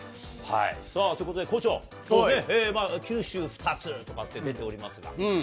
さあ、ということで校長、九州２つとかって出ておりますが。